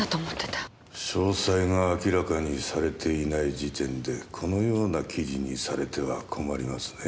詳細が明らかにされていない時点でこのような記事にされては困りますね。